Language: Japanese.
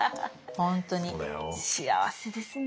本当に幸せですね。